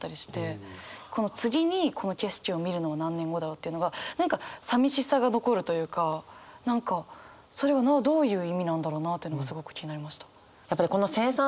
この次にこの景色を見るのは何年後だろうっていうのが何か寂しさが残るというか何かそれはどういう意味なんだろうなっていうのがすごく気になりました。